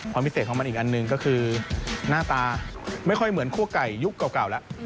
พิเศษของมันอีกอันหนึ่งก็คือหน้าตาไม่ค่อยเหมือนคั่วไก่ยุคเก่าแล้ว